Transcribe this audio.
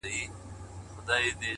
لکه ملنگ چي د پاچا د کلا ور ووهي